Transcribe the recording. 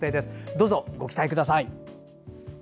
どうぞご期待ください。